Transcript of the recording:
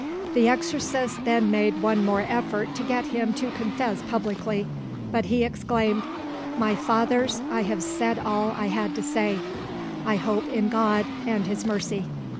The exorcists then made one more effort to get him to confess publicly, but he exclaimed— "My fathers, I have said all I had to say; I hope in God and in His mercy."